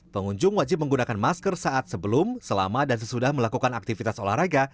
pengunjung wajib menggunakan masker saat sebelum selama dan sesudah melakukan aktivitas olahraga